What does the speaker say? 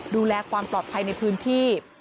ดูแลความปลอดภัยในพื้นที่